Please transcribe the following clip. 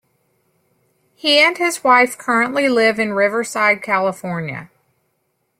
He and his wife currently live in Riverside, California.